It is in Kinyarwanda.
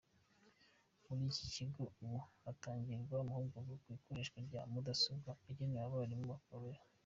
Muri iki kigo ubu haratangirwa amahugurwa ku ikoreshwa rya mudasobwa agenewe abarimu bahakora.